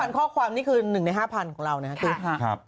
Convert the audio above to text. ข้อความนี่คือ๑ใน๕๐๐ของเรานะครับ